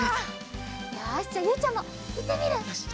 よしじゃあゆいちゃんもいってみる？